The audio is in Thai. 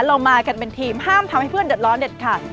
เรามากันเป็นทีมห้ามทำให้เพื่อนเดือดร้อนเด็ดขาด